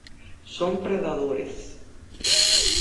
Son predadores.